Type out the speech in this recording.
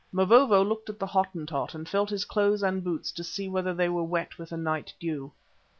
Mavovo looked at the Hottentot and felt his clothes and boots to see whether they were wet with the night dew.